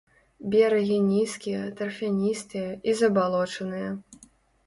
Берагі нізкія, тарфяністыя і забалочаныя.